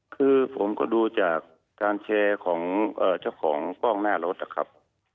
คือผมก็ดูจากการแชร์ของเจ้าของกล้องหน้ารถนะครับ